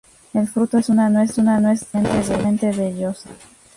El fruto es una nuez densamente vellosa.